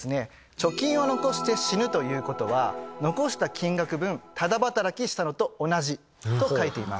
貯金を残して死ぬということは残した金額分タダ働きしたのと同じと書いています。